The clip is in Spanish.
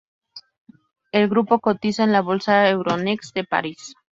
El grupo cotiza en la bolsa Euronext de Paris.